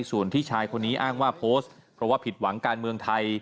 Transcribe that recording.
ส่วนที่ชายคนนี้อ้างว่าโพสต์เพราะว่าผิดหวังการเมืองไทย